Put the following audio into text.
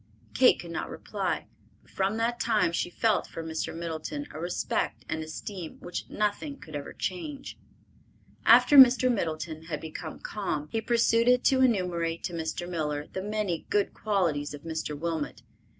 Kate could not reply, but from that time she felt for Mr. Middleton a respect and esteem which nothing could ever change. After Mr. Middleton had become calm, he proceeded to enumerate to Mr. Miller the many good qualities of Mr. Wilmot.